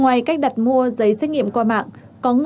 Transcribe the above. ngoài cách đặt mua giấy xét nghiệm qua mạng